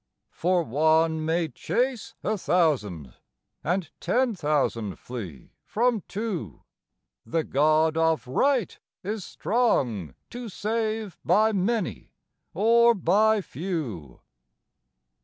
For one may chase a thousand, and ten thousand flee from two; The God of right is strong to save by many or by few.